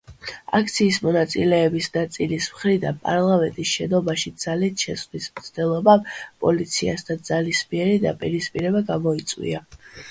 აქციის მონაწილეების ნაწილის მხრიდან პარლამენტის შენობაში ძალით შესვლის მცდელობამ პოლიციასთან ძალისმიერი დაპირისპირება გამოიწვია.